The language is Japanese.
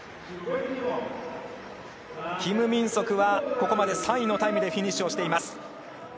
キム・ミンソクはここまで３位のタイムでフィニッシュしています。